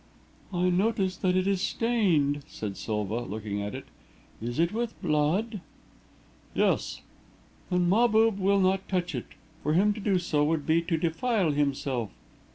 "I notice that it is stained," said Silva, looking at it. "Is it with blood?" "Yes." "Then Mahbub will not touch it. For him to do so, would be to defile himself."